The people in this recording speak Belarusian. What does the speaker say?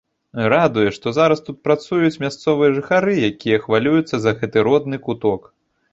Радуе, што зараз тут працуюць мясцовыя жыхары, якія хвалююцца за гэты родны куток.